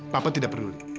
papa tidak peduli